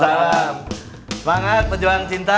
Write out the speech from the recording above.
semangat penjualan cinta